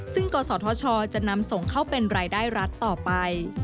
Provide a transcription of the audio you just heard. ซึ่งกศธชจะนำส่งเข้าเป็นรายได้รัฐต่อไป